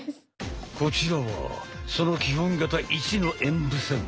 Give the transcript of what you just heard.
こちらはその基本形１の演武線。